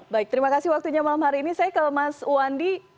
baik terima kasih waktunya malam hari ini saya ke mas wandi